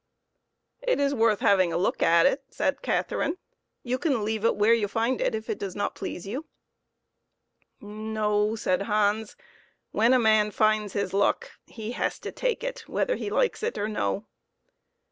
" It is worth having a look at," said Catherine ;" you can leave it where you find it if it does not please you." 6 4 PEPPER AND SALT. " No," said Hans ; "when a man finds his luck he has to take it, whether he likes it or no."